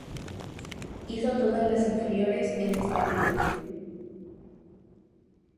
Hizo todas las inferiores en este Club.